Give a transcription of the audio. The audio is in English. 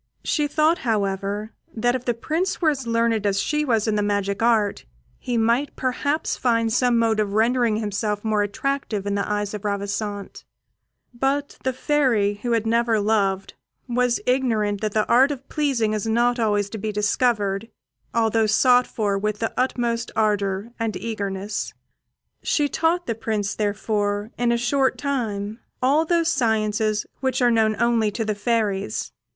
She thought, however, that if the Prince were as learned as she was in the magic art, he might perhaps find some mode of rendering himself more attractive in the eyes of Ravissante; but the Fairy, who had never loved, was ignorant that the art of pleasing is not always to be discovered, although sought for with the utmost ardour and eagerness. She taught the Prince, therefore, in a short time, all those sciences which are known only to the fairies.